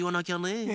え。